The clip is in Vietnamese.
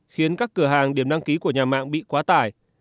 khiến các cửa hàng điểm đăng ký của nhà mạng bị quá tải